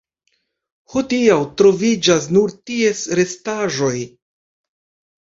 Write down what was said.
Hodiaŭ troviĝas nur ties restaĵoj.